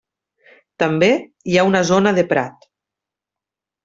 També hi ha una zona de prat.